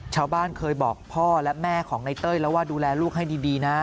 ชาวบ้านเคยบอกพ่อและแม่ของในเต้ยแล้วว่าดูแลลูกให้ดีนะ